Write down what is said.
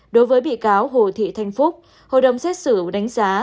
đối với bị cáo hồ thị thanh phúc hội đồng xét xử đánh giá